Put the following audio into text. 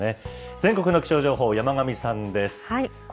全国の気象情報、山神さんです。